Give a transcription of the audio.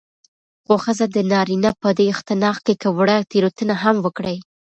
خو ښځه د نارينه په دې اختناق کې که وړه تېروتنه هم وکړي